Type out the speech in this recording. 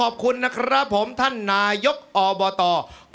ออกออกออกออกออกออกออกออกออกออก